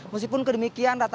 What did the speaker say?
meskipun kedemikian rata rata